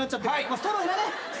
ストローいらねえ。